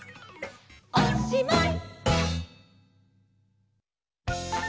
おしまい！